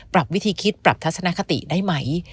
ปรับวิธีคิดปรับทัศนคติได้ไหม